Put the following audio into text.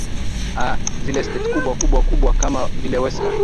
aa zile estate kubwa kubwa kubwa kama vile westland